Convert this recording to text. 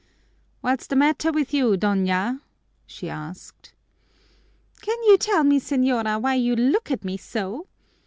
"What's the matter with you, Doña?" she asked. "Can you tell me, señora, why you look at me so?